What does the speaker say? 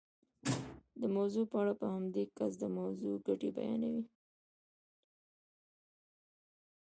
د موضوع په اړه په همدې کس د موضوع ګټې بیانوئ.